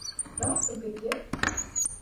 Ne yaptın peki?